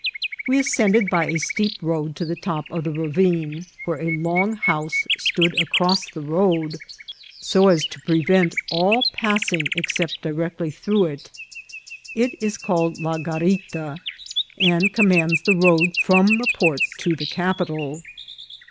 We ascended by a steep road to the top of the ra vine, where a long house stood across the road, so as to prevent all passing except directly through it. It is called La Garita, and commands the road from the port to the capital.